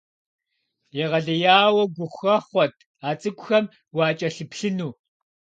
Егъэлеяуэ гухэхъуэт а цӏыкӏухэм уакӏэлъыплъыну!